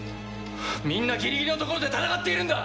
みんなギリギリのところで戦っているんだ！